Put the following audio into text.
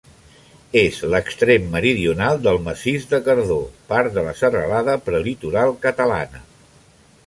És l'extrem meridional del Massís de Cardó, part de la Serralada Prelitoral Catalana.